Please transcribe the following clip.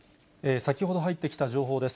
先ほど入ってきた情報です。